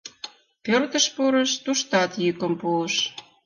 Пӧртыш пурыш, туштат йӱкым пуыш.